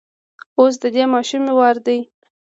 اوس د دې ماشومې وار دی.